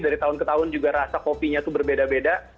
dari tahun ke tahun juga rasa kopinya itu berbeda beda